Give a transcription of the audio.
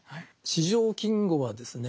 四条金吾はですね